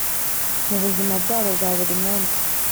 mu buzima bwabo bwa buri munsi.